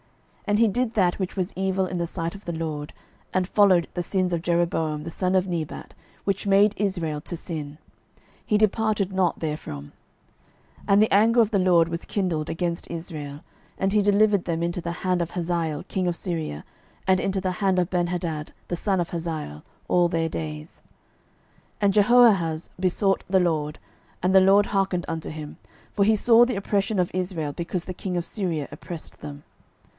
12:013:002 And he did that which was evil in the sight of the LORD, and followed the sins of Jeroboam the son of Nebat, which made Israel to sin; he departed not therefrom. 12:013:003 And the anger of the LORD was kindled against Israel, and he delivered them into the hand of Hazael king of Syria, and into the hand of Benhadad the son of Hazael, all their days. 12:013:004 And Jehoahaz besought the LORD, and the LORD hearkened unto him: for he saw the oppression of Israel, because the king of Syria oppressed them.